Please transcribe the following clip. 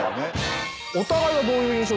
お互いはどういう印象ですか？